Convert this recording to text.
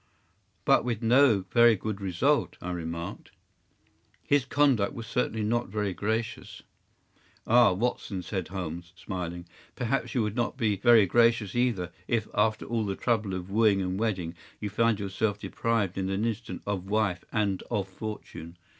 ” “But with no very good result,” I remarked. “His conduct was certainly not very gracious.” “Ah, Watson,” said Holmes, smiling, “perhaps you would not be very gracious either, if, after all the trouble of wooing and wedding, you found yourself deprived in an instant of wife and of fortune.